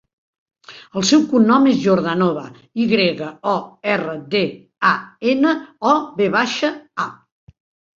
El seu cognom és Yordanova: i grega, o, erra, de, a, ena, o, ve baixa, a.